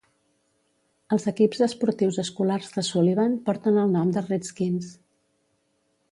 Els equips esportius escolars de Sullivan porten el nom de Redskins.